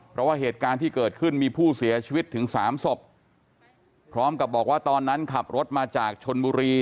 เพราะว่าเหตุการณ์ที่เกิดขึ้นมีผู้เสียชีวิตถึงสามศพพร้อมกับบอกว่าตอนนั้นขับรถมาจากชนบุรี